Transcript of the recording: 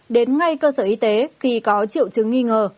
đến ngay cơ sở y tế khi có triệu chứng nghi ngờ